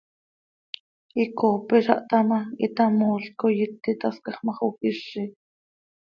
Icoopeza htá ma, hitamoolc coi iti tascax ma, xojizi.